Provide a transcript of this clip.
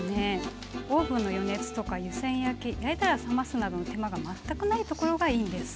オーブンの予熱とか湯せん焼き焼いたら冷ますなどの手間が全くないところがいいんです。